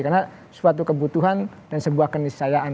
karena suatu kebutuhan dan sebuah kenisayaan